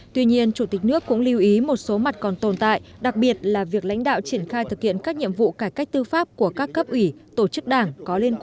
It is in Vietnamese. tuy nhiên chủ tịch nước cũng lưu ý một số mặt còn tồn tại đặc biệt là việc lãnh đạo triển khai thực hiện